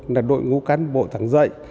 là đội ngũ cán bộ thắng dậy